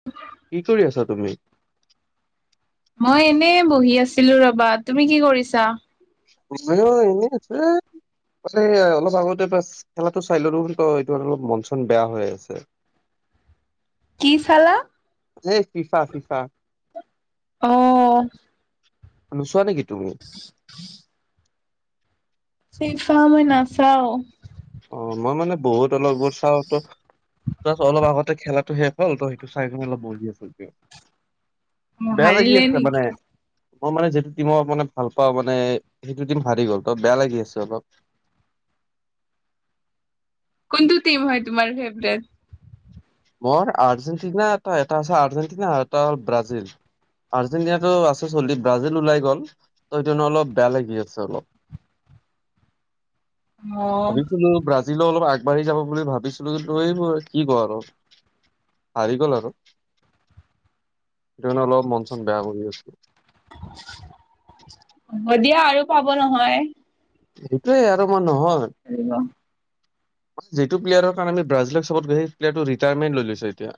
[unintelligible] কি কৰি আছা তুমি মই এনে বহি আছিলো ৰ'বা তুমি কি কৰিছা মইও এনেই আছোঁ মানে অলপ আগতে বা খেলাটো চাই ললো ত এইটো অলপ মন চন বেয়া হৈ আছে কি চালা এ ফিফা ফিফা অ' নোচোৱা নেকি তুমি [unintelligible] ফিফা মই নাচাওঁ অ মই মানে বহুত অলপবোৰ চাওঁতো ত অলপ আগতে খেলাটো শেষ হ'ল ত সটো চাই অলপ বহি আছোঁ এতিয়া। অ বেয়া লাগি হাৰিলে আছে মানে নেকি? মই মানে যিটো টিমৰ মানে ভাল পাও মানে সেইটো টিম হাৰি গ'ল ত বেয়া লাগি আছে অলপ কোনটো টিম হয় তোমাৰ ফেভৰেট মই আৰ্জেণ্টিনা এটা এটা আছে আৰ্জেণ্টিনা আৰু এটা হ'ল ব্ৰাজিল আৰ্জেণ্টিনাটো আছে চলি ব্ৰাজিল ওলাই গ'ল ত [unintelligible] অলপ বেয়া লাগি আছে অলপ অ' ভাবিছিলো ব্ৰাজিল লৈ অলপ আগবাঢ়ি যাব বুলি ভাবিছিলো কিন্তু এইবোৰ কি কয় আৰু হাৰি গ'ল আৰু সেইটো কাৰণে অলপ মন চন বেয়া কৰি আছোঁ হ'ব দিয়া আৰু পাব নহয় সেইটোয়ে আৰু মই নহয় [unintelligible] যিটো প্লেয়াৰ কাৰণে ব্ৰাজিলক [unintelligible] ৰিটায়াৰমেট লৈ লৈছে এতিয়া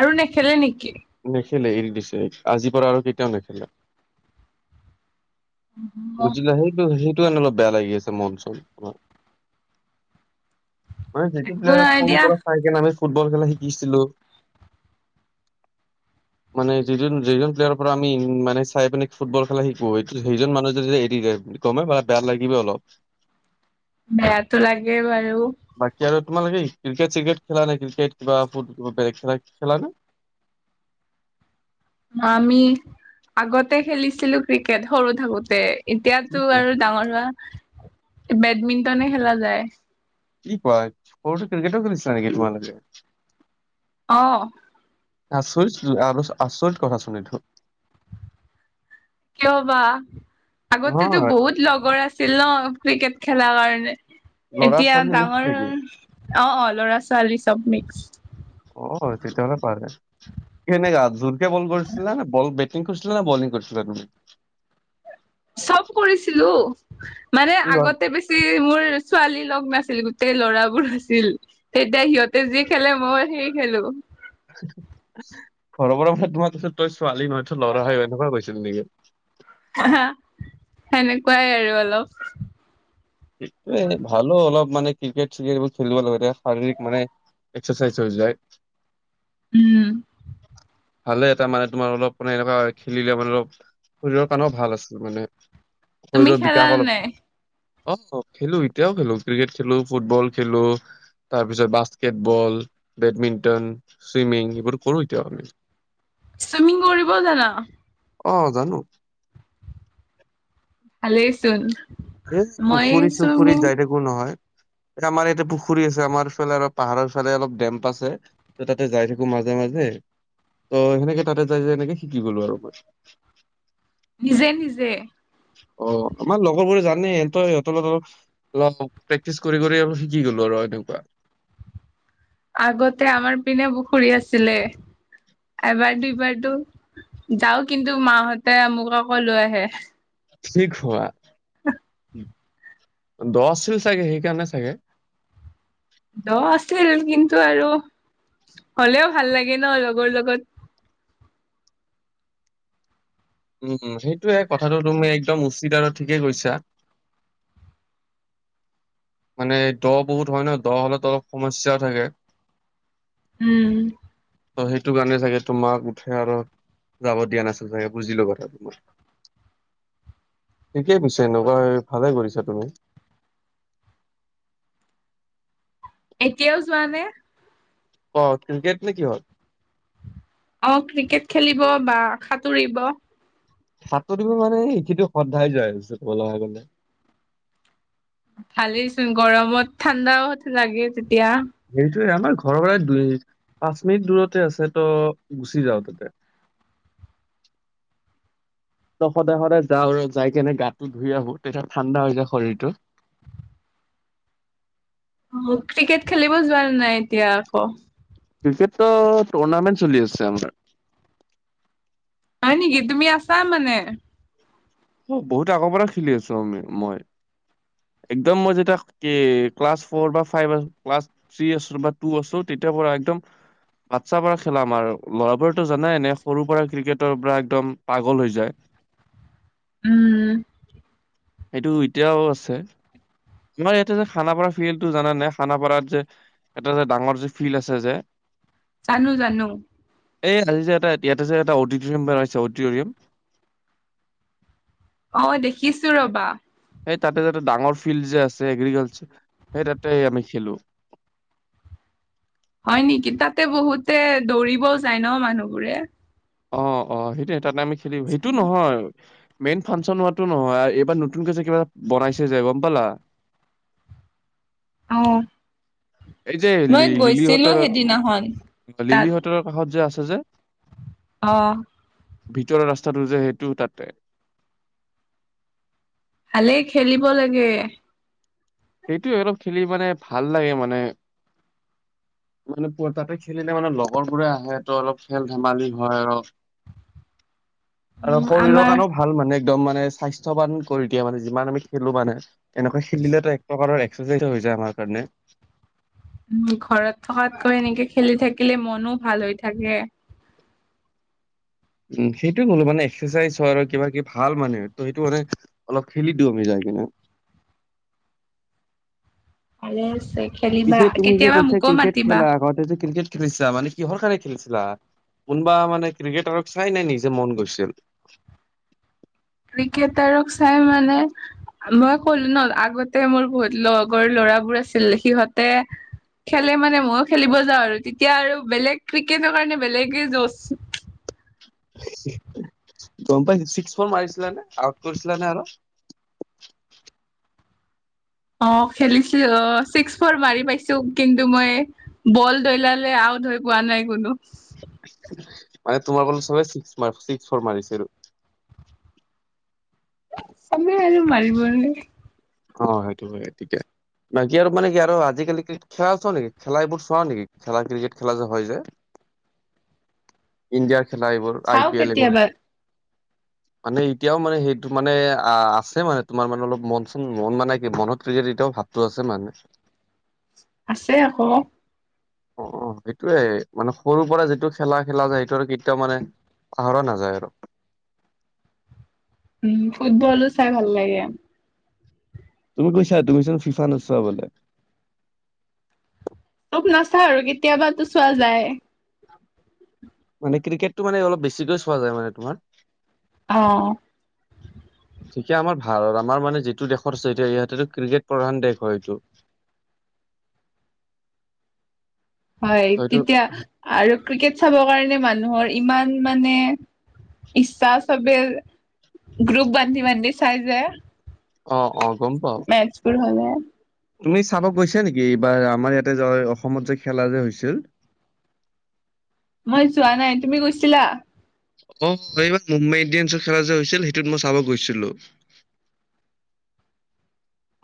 আৰু নেখেলে নেকি নেখেলে এৰি দিছে আজিৰ পৰা আৰু কেতিয়াও নেখেলে। অ বুজিলা সেইটো, সেইটো কাৰনে অলপ বেয়া লাগি আছে মন চন তোমাৰ। মানে যিটো একো প্লেয়াৰ নাই সৰুৰ দিয়া পৰা চাই কেনে আমি ফুটবল খেলা শিকিছিলো মানে যিজন, যিজন প্লেয়াৰৰ পৰা আমি মানে চাই পিনে ফুটবল খেলা শিকো সেইজন মানুহ যদি এৰি যায় গমে পা বেয়া লাগিব অলপ। বেয়াতো লাগে বাৰু। বাকী আৰু তোমালোকে ক্ৰিকেট, চিকেট খেলা নে, ক্ৰিকেট কিবা ফুটবল বেলেগ খেলা, খেলা নে? আমি, আগতে খেলিছিলো ক্ৰিকেট সৰু থাকোতে। কি এতিয়াতো কোৱা আৰু ডাঙৰ হোৱা, বেডমিণ্টনে খেলা যায়। কি কয়, সৰুতো ক্ৰিকেটও খেলিছিল নেকি তোমালোকে? অ'। আচৰিত, আচৰিত কথাচোন এইটো। কিয় বা, আগতেতো নহয় বহুত লগৰ আ ছিল ন, ক্ৰিকেট খেলা কাৰণে, ল'ৰা এতিয়া ছোৱালী মিক্স ডাঙৰ নেকি? অ', অ' ল'ৰা-ছোৱালী চব মিক্স। অ', তেতিয়া হ'লে পাৰে। কেনেকুৱা জোৰকে বল কৰিছিলা না, বল বেটিং কৰিছিল না, বলিং কৰিছিল তুমি? চব কৰিছিলো, মানে কি কয় আগতে বেছি ছি মোৰ ছোৱালী লগ নাছিল, গোটেই ল'ৰাবোৰ আছিল তেতিয়া সিহঁতে যি খেলে, মইও সেই খেলো। ঘৰ পৰা তোমাক তই ছোৱালী নহয়, তই ল'ৰা হয়, এনেকুৱা কৈছিল নেকি? হা, সেনেকুৱাই আৰু অলপ। এই, ভালো অলপ মানে ক্ৰিকেট চিকেট এইবোৰ খেলিব লাগে, শাৰীৰিক মানে এক্সাৰচাইজ হৈ যায়। উম। ভালে তাৰ মানে তোমাৰ অলপ মানে এনেকুৱা খেলিলে মানে অলপ, শৰীৰৰ কাৰণেও ভাল আছে, মানে তুমি শৰীৰৰ খেলা বিকাশ নে অলপ নাই? অ', খেলো, এতিয়াও খেলো ক্ৰিকেট খেলো, ফুটবল খেলো। তাৰপিছত বাস্কেটবল, বেডমিণ্টন চুইমিং এইবোৰ কৰোঁ এতিয়াও। চুইমিং কৰিবও জানা? অ', জানো। ভালেই চোন। এই পুখুৰী চুখুৰীত যায় থাকোঁ নহয়। আমাৰ ইয়াতে পুখুৰী আছে, আমাৰ ফালে অলপ পাহাৰৰ ফালে অলপ ডেম্প আছে। ত' তাতে যায় থাকো মাজে মাজে, ত' সেনেকে তাতে যায়, যায় সনেকে শিকি গলো আৰু মই। নিজে নিজে? অ', আমাৰ লগৰ বোৰে জানে সিহঁতই, সিহঁতৰ লগত অলপ প্ৰেক্টিচ কৰি, কৰি অলপ শিকি গলো আৰু এনেকুৱা। আগতে আমাৰ পিনে পুখুৰী আছিলে। এবাৰ দুবাৰতো যাওঁ, কিন্তু মাহঁতে মোক আকৌ লৈ আহে। কি কোৱা, দ আছিল চাগে সেইকাৰণে চাগে। দ আছিল, কিন্তু আৰু হ'লেও ভাল লাগে ন, লগৰ লগত। উম, উম সেইটোৱে কথাটো তুমি একদম উচিত, আৰু ঠিকেই কৈছা। মানে দ বহুত হ'য় ন, দ হ'লে অলপ সমস্যাও থাকে। উম ত সেইটো কাৰণে চাগে তোমাক উঠে আৰু যাব দিয়া নাছিল চাগে, বুজিলো কথাটো মই ঠিকেই পিছে এনেকুৱা ভালে কৰিছা তুমি এতিয়াও যোৱা নে? অ ক্ৰিকেট নে কিহত অ ক্ৰিকেট খেলিব বা সাঁতুৰিব সাঁতুৰিব মানে এইকেইদিন সদায় যাই আছোঁ কবলে গ'লে ভালেচোন গৰমত ঠাণ্ডাও লাগে তেতিয়া সেইটোৱে আমাৰ ঘৰৰ পৰাই দুই পাঁচ মিনিট দূৰতে আছে তো গুচি যাও তাতে [inaudible] ত সদায় সদায় যাওঁ আৰু যায় কেনে গাটো ধুই আহো তেতিয়া ঠাণ্ডা হৈ যায় শৰীৰটো অ ক্ৰিকেট খেলিব যোৱা নে নাই এতিয়া আকৌ ক্ৰিকেটো টুৰ্ণামেণ্ট চলি আছে আমাৰ হয় নেকি তুমি আছা মানে অ বহুত আগৰ পৰা খেলি আছো আমি মই একদম মই যেতিয়া কি ক্লাছ ফ'ৰ বা ফাইভ ক্লা থ্ৰী আছো বা টু আছো তেতিয়াৰ পৰা একদম বাচ্ছাৰ পৰা খেলা আমাৰ ল'ৰাৰতো জানাই নে সৰু পৰা ক্ৰিকেটৰ পৰা একদম পাগল হৈ যায় উম সেইটো এতিয়াও আছে তোমাৰ ইয়াতে যে খানাপাৰা ফিল্ডটো জান নাই খানাপাৰাত যে এটা যে ডাঙৰ যে ফিল্ড আছে যে জানো জানো এই আজি যে এটা ইয়াত আছে এটা অডিৰিয়াম বনাইছে অডিটৰিয়াম অ দেখিছো ৰবা সেই তাতে ডাঙৰ ফিল্ড যে আছে এগ্ৰিকালচাৰ সেই তাতে আমি খেলো হয় নেকি তাতে বহুতে দৌৰিবও যায় ন মানুহবোৰে অ অ সেইটোৱে তাতে আমি খেলিম সেইটো নহয় মেইন ফাংচন হোৱাটো নহয় এইবাৰ নতুনকৈ যে কিবা বনাইছে যে গম পালা অ এই যে মই লি গৈছিলো লিলিহঁতৰৰ সেইদিনাখন তাত লিলিহঁতৰৰ কাষত যে আছে যে অ ভিতৰৰ ৰাস্তাটো যে সেইটো তাতে ভালেই খেলিব লাগে সেইটোৱে অলপ খেলি মানে ভাল লাগে মানে মানে তাতে খেলিলে মানে লগৰবোৰে আহে ত অলপ খেল ধেমালি হয় আৰু উ আৰু শৰীৰৰ আমাৰ কাৰণেও ভাল মানে একদম মানে স্বাস্থ্যৱান কৰি দিয়া মানে যিমান আমি খেলো মানে এনেকুৱা খেলিলেতো এক প্ৰকাৰৰ এক্সাৰচাইজ হৈ যায় আমাৰ কাৰণে উম ঘৰত থকাতকৈ এনেকে খেলি থাকিলে মনো ভাল হৈ থাকে উম সেইটোয়ে কলো মানে এক্সাৰচাইজ হয় আৰু কিবা কিবি ভাল মানে ত সেইটো মানে অলপ খেলি দিও আমি যাই কিনে ভালেই আছে খেলিবা পিছে তুমি যে কেতিয়াবা কৈছা মোকো ক্ৰিকেট মাতিবা খেলা আগতে যে ক্ৰিকেট খেলিছিলা মানে কিহৰ কাৰণে খেলিছিলা, কোনোবা মানে ক্ৰিকেটাৰক চাই নাই, নেকি যে মন গৈছিল? ক্ৰিকেটাৰক, চাই মানে মই কলো ন, আগতে মোৰ বহুত লগৰ ল'ৰাবোৰ আছিল সিহঁতে খেলে মানে ময়ো খেলিব যাওঁ আৰু তেতিয়া আৰু বেলেগ ক্ৰিকেটৰ কাৰণে বেলেগে যৌচ। গম পাইছিল, ছিক্স ফৰ মাৰিছিল নে, আউট কৰিছিল নে আৰু। অ, খেলিছিলো অ, ছিক্স, ফৰ, মাৰি পাইছো, কিন্তু মই বল দৈলালে, আউট হৈ পোৱা নাই কোনো। মানে তোমাৰ বলত ছিক্স-ছিক্স, ফৰ মাৰিছিল। [inaudible] অ, সেইটো হয়ে, তেতিয়া। বাকী আৰু মানে কি আৰু, আজিকালি ক্ৰিকেট খেলা, চলে চোৱা নেকি, খেলা এইবোৰ চোৱা নেকি খেলা, ক্ৰিকেট খেলা যে হয় যে। ইণ্ডিয়াৰ খেলা, এইবোৰ চাও আই, পি, এল, এইবোৰ। কেতিয়াবা মানে এতিয়াও মানে, সেইটো মানে অ, আছে মানে তোমাৰ মানে অলপ মন মন, মানে কি, মনত ক্ৰিকেট এতিয়াও ভাবটো আছে মানে। আছে আকৌ। অ, সেইটোয়ে মানে সৰুৰ পৰা যিটো খেলা, খেলা যায় সেইটো আৰু কেতিয়া মানে পাহৰা নাযায় আৰু। উম, ফুটবলো চাই ভাল লাগে। তুমি কৈছা, তুমি চোন ফি, ফায়াৰ নোচোৱা বোলে। নাচায়ে আৰু কেতিয়াবাতো চোৱা যায়। মানে ক্ৰিকেটো মানে, অলপ বেছিকৈ চোৱা যায় মানে তোমাৰ। অ, এতিয়া আমাৰ ভাৰত হ'ল, আমাৰ মানে যিটো দেশত আছে, এতিয়া ইহঁতে ক্ৰিকেট প্ৰধান দেশ হয় এইটো। [inaudible] হয়, হয়টো তেতিয়া আৰু ক্ৰিকেট চাব কাৰণে, মানুহৰ ইমান মানে ইচ্ছা চবে, গ্ৰুপ বান্ধি, বান্ধি, চাই যে। অ, অ, গম পাওঁ। তোৰ ভাল নে? তুমি চাব গৈছা নেকি, এইবাৰ আমাৰ ইয়াতে যে, অসমত যে, খেলা যে হৈছিল? মই যোৱা নাই, তুমি গৈছিলা? অ, এইবাৰ মুম্বাই ইণ্ডিয়ানছৰ খেলা যে হৈছিল, সেইটোত মই চাব গৈছিলো।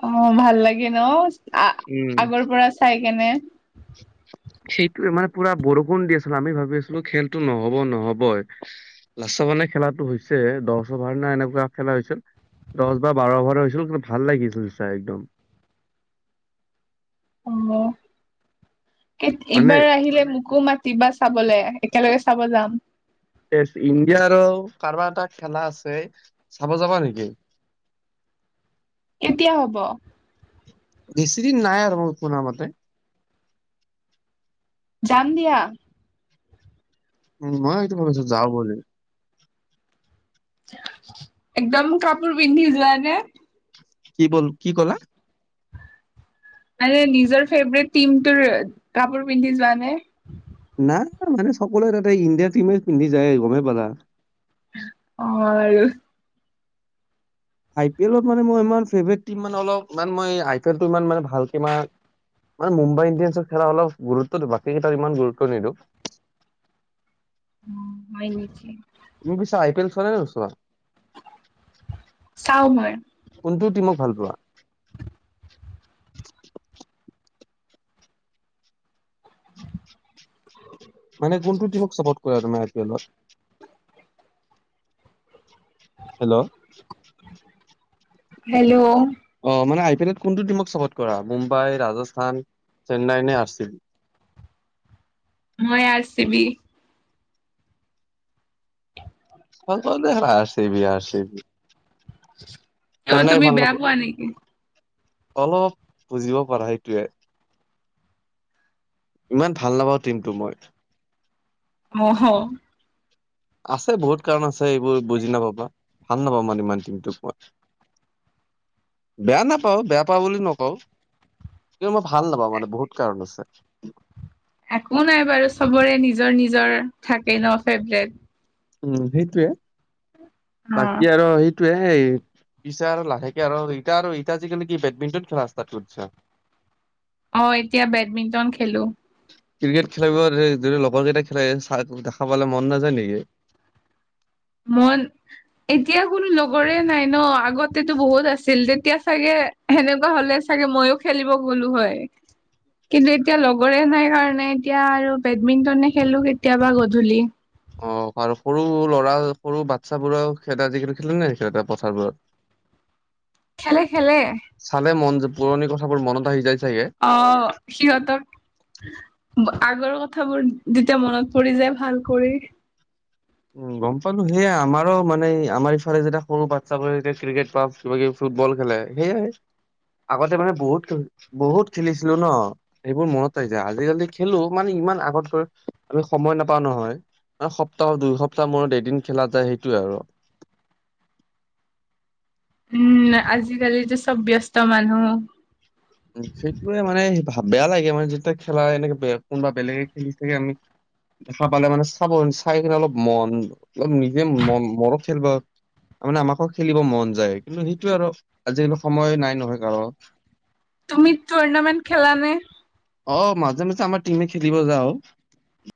অ, ভাল লাগে ন, উম আগৰ পৰা চাই কেনে। সেইটো মানে পুৰা, বৰষুণ দি আছিল, আমি ভাবি আছিলো খেলতো নহ'ব, নহ'বই। লাষ্টত মানে খেলাটো হৈছে, দহ অভাৰ নে, এনেকুৱা খেলা হৈছিল। দহ বা বাৰ অভাৰ হৈছিল, কিন্তু ভাল লাগিছিল চাই একদম। অ, মানে এইবাৰ আহিলে মোকো, মা তিবা, চাবলে একেলগে চাব যাম। তে, ইণ্ডিয়াৰো কাৰোবাৰ এটা খেলা আছে, চাব যাবা নেকি? এতিয়া হ'ব? বেছিদিন নাই আৰু মই শুনা মতে। যাম দিয়া। উম, মই সেইটো ভাবিছো যাওঁ বুলি। একদম, কাপোৰ পিন্ধি যোৱা নে? কি, ব-কি ক'লা? মানে নিজৰ ফেভৰেট টিম টোৰ কাপোৰ পিন্ধি যোৱা নে? নাই মানে সকলোৱে তাতে ইণ্ডিয়া টিমে পিন্ধি যায় গমেই পালা। অ আৰু। আই পি এলত মানে মই ই ফেভটট মানে অলপ ইমান মই আই পি এলটো ইমান ভালকে ই- মান মুমাই ইণ্ডিয়ানছৰ খেলা অলপ গুৰুত্ব দিয়ো বাকী কেইটাত ইমান গুৰুত্ব নিদিওঁ। হয় নেকি? তুমি পিছে আই পি এল চোৱানে নোচোৱা? চাও মই। কোনটো টিমক ভাল পোৱা? মানে কোনটো টিমক ছাপৰ্ট কৰা তুমি আই পি এলৰ? হেল্ল' হেল্ল' অ মানে আই পি এলত কোনটো টিমক চাপৰ্ট কৰা মুম্বাই, ৰাজস্থান, চেন্নাই নে আৰ চি বি? মই আৰ ছি বি। অকল R C B R C B. অ চেন্নাই তুমি ভাল বেয়া নোপোৱা? পোৱা নেকি? অলপ বুজিব পাৰা সেইটোয়ে। ইমান ভাল নাপাও টিমটো মই। অ' হ' আছে বহুত কাৰণ আছে এইবোৰ বুজি নাপাবা ভাল নাপাবা মান ইমান টিমটোক মই। বেয়া নাপাও বেয়া পাওঁ বুলি নকওঁ। কিন্তু মই ভাল নাপাওঁ মানে বহুত কাৰণ আছে। একো নাই বাৰু চবৰে নিজৰ নিজৰ থাকে ন ফেভৰেট। উম সেইটয়ে। বাকি আৰু সেই- টোৱে সেই পিছে আৰু লাহেকে আৰু এতিয়া আৰু এতিয়া আজিকালি কি বেডমিন্টন খেলা ৰাস্তাত কৰিছা? [inaudible] অ এতিয়া বেডমিণ্টন খেলো। ক্ৰিকেট খেলিব যদি লগৰ কেইটা খেলে দেখা পালে মন নাযায় নেকি? মন, এতিয়া কোনো লগৰে নাই ন আগতেতো বহুত আছিল তেতিয়া চাগে- সেনেকুৱা হ'লে চাগে ময়ো খেলিব গলো হয়। কিন্তু এতিয়া লগৰে নাই কাৰণে এতিয়া আৰু বেডমিণ্টনে খেলো কেতিয়াবা গধূলি। অ আৰু সৰু ল'ৰা সৰু বাচ্ছাবোৰ খা যি খেলে নাই পথাৰবোৰত? [unintelligible] খেলে খেলে। চালে মন যে পুৰণি কথাবোৰ মনত আহি যায় চাগে? অ' সিহঁতক- আগৰ কথাবোৰ যেতিয়া মনত পৰি যায় ভাল কৰি। উম গম পালো সেয়া আমাৰো মানে আমাৰ ইফালে যেতিয়া সৰু বাচ্ছা বোৰে যেতিয়া ক্ৰিকেট বা- কিবা কিবি ফুটবল খেলে সেয়াই আগতে মানে বহুত বহুত খেলিছিলো ন। সেইবোৰ মনত আহি যায়। আজিকালি খেলো মানে ইমান আগতকৈ আমি সময় নাপাওঁ নহয়। মানে সপ্তাহত দুই সপ্তাহ মূৰত এদিন খেলা যায় সেইটোয়ে আৰু। উম আজিকালি যে চব ব্যস্ত মানুহ। উম সেইটোয়ে মানে বেয়া লাগে মানে যেতিয়া খেলা হয় এনেকে কোনোবা বেলেগে খেলি থাকে আমি- দেখা পালে মানে চাব চাই কিনে অলপ মন অ নিজে মন মনত খেলিব- মানে আমাকো খেলিব মন যায়। কিন্তু সেইটোয়ে আৰু আজিকালি সময় নাই নহয় কাৰোঁ। তুমি টুৰ্নামেণ্ট খেলা নে? অ', মাজে মাজে আমাৰ টিমে খেলিব যাওঁ।